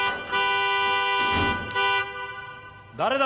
誰だ！？